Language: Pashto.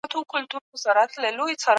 ژوند د هر انسان ارزښت دی.